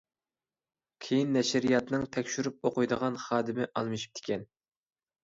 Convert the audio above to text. كېيىن نەشرىياتنىڭ تەكشۈرۈپ ئوقۇيدىغان خادىمى ئالمىشىپتىكەن.